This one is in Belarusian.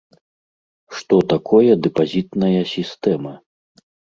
Што такое дэпазітная сістэма?